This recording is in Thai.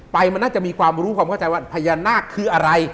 ไปมันน่าจะมีความรู้ความเข้าใจว่าพญานาคคืออะไร